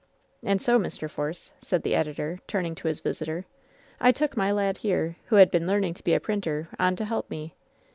And so, Mr. Force/' said the editor, turning to his visitor, ^1 took my lad here, who had been learning to be a printer, on to help me.